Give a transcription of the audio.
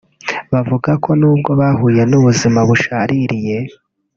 bavuga ko nubwo bahuye n’ubuzima bushaririye